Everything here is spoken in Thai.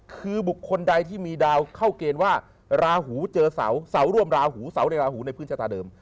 คือบุคคลใดที่มีดาวเข้าเกณฑ์ว่าราหูเจอเสาเสาร่วมราหูเสาในราหูในพื้นชะตาเดิม